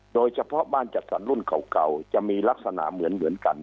โดยเฉพาะบ้านจัดสรรรุ่นเก่าจะมีลักษณะเหมือนกัน